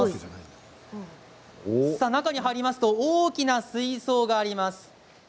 中に入りますと大きな水槽があります。